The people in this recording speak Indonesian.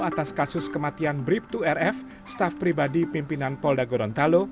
atas kasus kematian brib dua rf staff pribadi pimpinan polda gorontalo